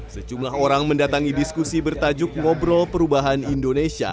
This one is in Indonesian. sejumlah orang mendatangi diskusi bertajuk ngobrol perubahan indonesia